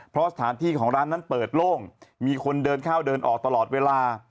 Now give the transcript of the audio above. เพราะสถานที่ของร้านนั้นเปิดโล่งมีคนเดินเข้าเดินออกตลอดเวลา